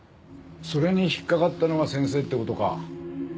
それに引っかかったのが先生って事か。